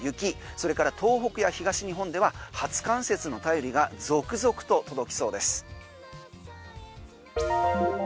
それから東北や東日本では初冠雪の便りが続々と届きそうです。